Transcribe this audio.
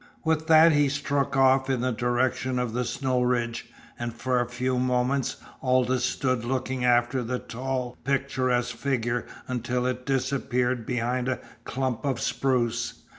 With that he struck off in the direction of the snow ridge, and for a few moments Aldous stood looking after the tall, picturesque figure until it disappeared behind a clump of spruce.